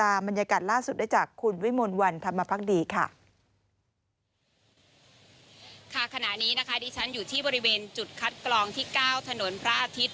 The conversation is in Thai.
อันนี้นะคะดิฉันอยู่ที่บริเวณจุดคัดกรองที่๙ถนนพระอาทิตย์